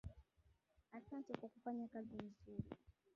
Asante kwa kufanya kazi nzuri.